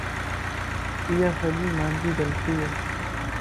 ايا سڄي مانجي غلطيَ